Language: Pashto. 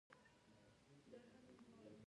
ترسره شوي فعالیتونه تر غور لاندې نیسي.